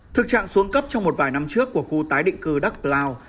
thực trạng xuống cấp trong một vài năm trước của khu tái định cư đắk plao